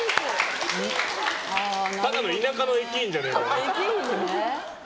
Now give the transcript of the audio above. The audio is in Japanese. ただの田舎の駅員じゃねえかよ。